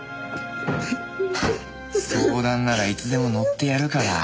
相談ならいつでも乗ってやるから。